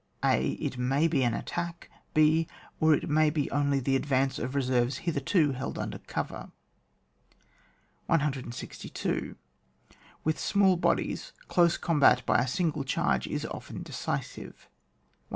{a) It may be an attack ; (h) Or, it may be only the advance of reserves hitherto held under cover. 162. With small bodies, dose combat by a single charge is often decisive. 163.